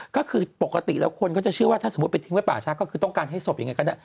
ก็คือปกติแล้วคนก็จะเชื่อว่าถ้าสมมุติไปทิ้งไว้ป่าช้าก็คือต้องการให้ศพยังไงก็ได้